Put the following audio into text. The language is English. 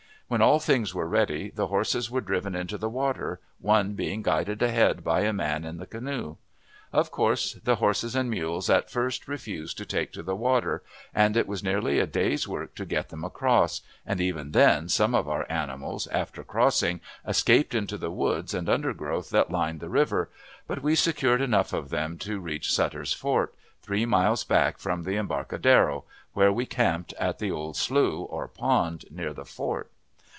When all things were ready, the horses were driven into the water, one being guided ahead by a man in the canoe. Of course, the horses and mules at first refused to take to the water, and it was nearly a day's work to get them across, and even then some of our animals after crossing escaped into the woods and undergrowth that lined the river, but we secured enough of them to reach Sutter's Fort, three miles back from the embcarcadero, where we encamped at the old slough, or pond, near the fort.